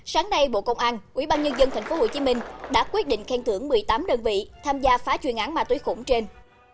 sáng nay bộ công an ubnd tp hcm đã quyết định khen thưởng một mươi tám đơn vị tham gia phá chuyên án ma túy khủng trên